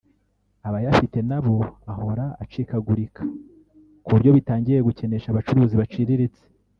Abayafite nabo ahora acikagurika kuburyo bitangiye gukenesha abacuruzi baciriritse